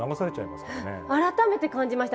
改めて感じました。